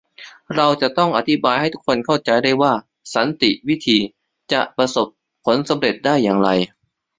เราต้องอธิบายให้ทุกคนเข้าใจได้ว่าสันติวิธีจะประสบผลสำเร็จได้อย่างไร